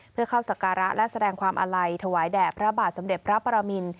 เพื่อเข้าสการะและแสดงความอาลัยถวายแด่พระบาทสมเด็จพระปรมิน